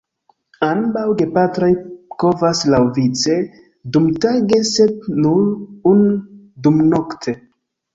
Ambaŭ gepatroj kovas laŭvice dumtage sed nur unu dumnokte.